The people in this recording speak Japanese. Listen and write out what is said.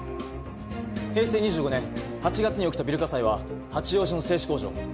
平成２５年８月に起きたビル火災は八王子の製紙工場